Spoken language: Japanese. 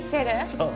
そう！